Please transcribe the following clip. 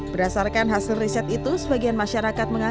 berdasarkan hasil riset itu sebagian masyarakat ini menurut saya